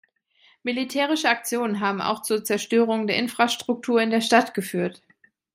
Militärische Aktionen haben auch zur Zerstörung der Infrastruktur in der Stadt geführt.